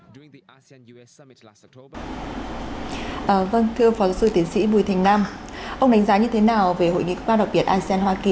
thưa phó giáo sư tiến sĩ bùi thành nam ông đánh giá như thế nào về hội nghị cấp cao đặc biệt asean hoa kỳ